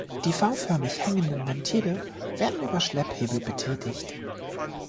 Die V-förmig hängenden Ventile werden über Schlepphebel betätigt.